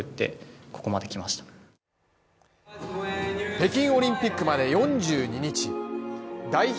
北京オリンピックまで４０日代表